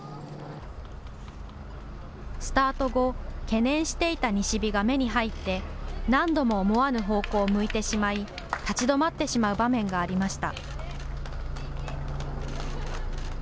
スタート後、懸念していた西日が目に入って何度も思わぬ方向を向いてしまい立ち止まってしまう場面がありました。